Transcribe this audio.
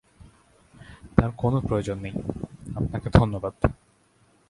তার কোনো প্রয়োজন নেই, আপনাকে ধন্যবাদ।